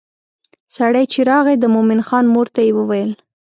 سړی چې راغی د مومن خان مور ته یې وویل.